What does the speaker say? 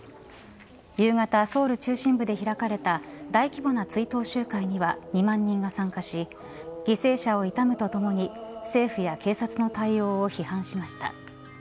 夕方、ソウル中心部で開かれた大規模な追悼集会には２万人が参加し犠牲者を悼むとともに政府や警察の対応を批判しました。